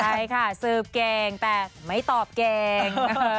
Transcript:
ใช่ค่ะสืบเก่งแต่ไม่ตอบเก่ง